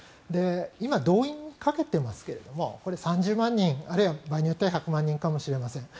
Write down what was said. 今、動員をかけていますが３０万人あるいは場合によっては１００万人かもしれません。